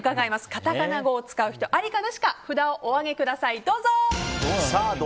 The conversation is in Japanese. カタカナ語を使う人ありかなしか札をお上げください、どうぞ。